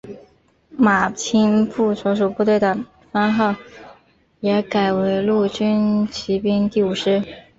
马步青所属部队的番号也改为陆军骑兵第五师。